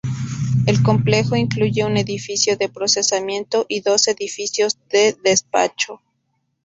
El complejo incluye un edificio de procesamiento y dos edificios de despacho.